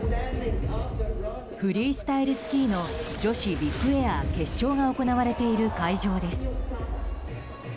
フリースタイルスキーの女子ビッグエア決勝が行われている会場です。